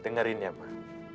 dengarin ya mbah